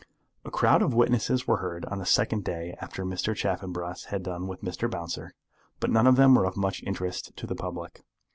A crowd of witnesses were heard on the second day after Mr. Chaffanbrass had done with Mr. Bouncer, but none of them were of much interest to the public.